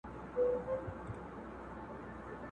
دا له تا سره پیوند یم چي له ځانه بېګانه یم!!